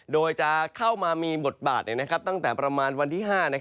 โดยจะเข้ามามีบทบาทตั้งแต่ประมาณวันที่๕